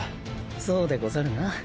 そうでござるな。